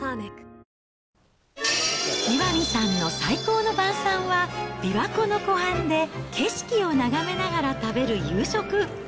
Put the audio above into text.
岩見さんの最高の晩さんは、琵琶湖の湖畔で景色を眺めながら食べる夕食。